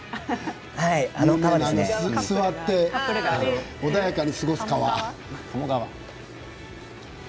みんなが座って穏やかに過ごす川。